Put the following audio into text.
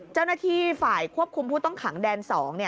เจ้าหน้าที่ฝ่ายควบคุมผู้ต้องขังแดน๒